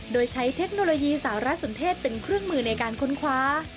โดยใช้เทคโนโลยีสารสนเทศเป็นเครื่องมือในการค้นคว้า